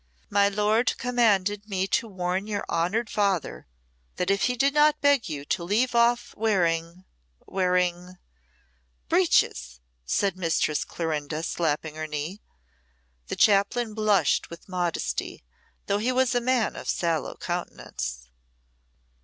"My lord commanded me to warn your honoured father that if he did not beg you to leave off wearing wearing " "Breeches," said Mistress Clorinda, slapping her knee. The chaplain blushed with modesty, though he was a man of sallow countenance.